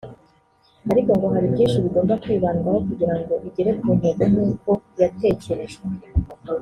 ariko ngo hari byinshi bigomba kwibandwaho kugira ngo igere ku ntego nk’uko yatekerejwe